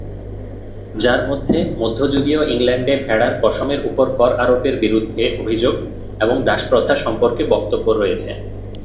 যার মধ্যে মধ্যযুগীয় ইংল্যান্ডে ভেড়ার পশমের উপর কর-আরোপের বিরুদ্ধে অভিযোগ এবং দাসপ্রথা সম্পর্কে বক্তব্য রয়েছে।